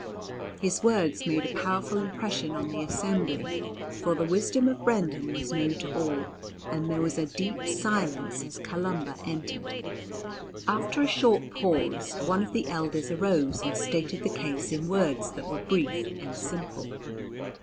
His words made a powerful impression on the assembly, for the wisdom of Brendan was known to all; and there was a deep silence as Columba entered. After a short pause one of the elders arose and stated the case in words that were brief and simple.